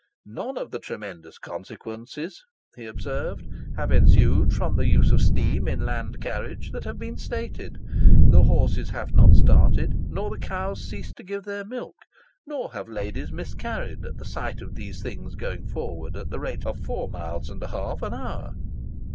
"None of the tremendous consequences," he observed, "have ensued from the use of steam in land carriage that have been stated. The horses have not started, nor the cows ceased to give their milk, nor have ladies miscarried at the sight of these things going forward at the rate of four miles and a half an hour."